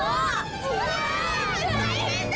うわたいへんだ！